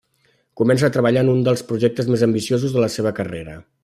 Comença a treballar en un dels projectes més ambiciosos de la seva carrera.